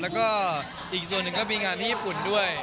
แล้วก็อีกส่วนหนึ่งก็มีงานที่ญี่ปุ่นด้วย